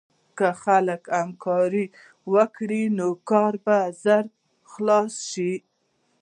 که خلک همکاري وکړي، نو کار به ژر خلاص شي.